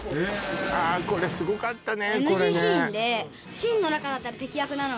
あーこれすごかったね